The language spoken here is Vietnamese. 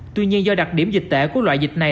tuy nhiên do đặc điểm dịch tễ của loại dịch này